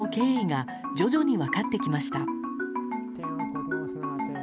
その経緯が徐々に分かってきました。